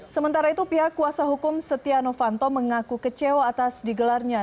sementara itu pihak kuasa hukum setia novanto mengaku kecewa atas digelarnya